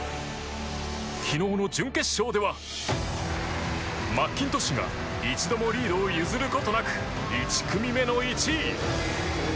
昨日の準決勝ではマッキントッシュが一度もリードを譲ることなく１組目の１位。